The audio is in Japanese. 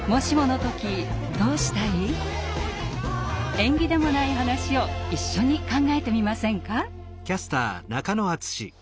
縁起でもない話を一緒に考えてみませんか？